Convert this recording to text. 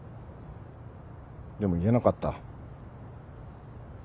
でも言えなかった。